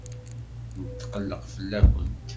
Netqelleq fell-akent.